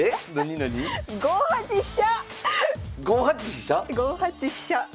５八飛車。